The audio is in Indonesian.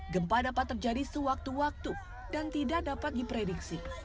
gempa dapat terjadi sewaktu waktu dan tidak dapat diprediksi